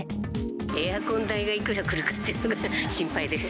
エアコン代がいくらくるかっていうのが心配です。